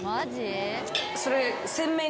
それ。